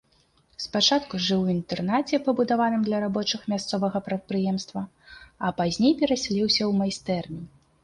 Спачатку жыў у інтэрнаце, пабудаваным для рабочых мясцовага прадпрыемства, а пазней перасяліўся ў майстэрню.